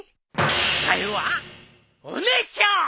答えは「おねしょ」！